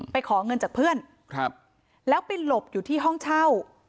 ขอเงินจากเพื่อนครับแล้วไปหลบอยู่ที่ห้องเช่า